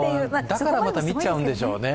だからまた見ちゃうんでしょうね。